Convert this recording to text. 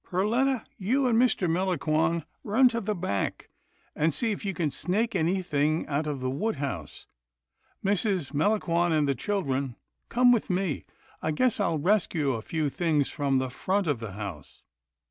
Per letta, you and Mr. Melangon run to the back, and see if you can snake anything out of the wood house — Mrs. Melangon and the children come with me. I guess I'll rescue a few things from the front of the house."